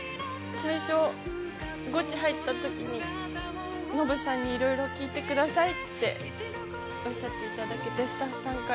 最初、ゴチ入ったときに、ノブさんにいろいろ聞いてくださいっておっしゃっていただけてて、スタッフさんから。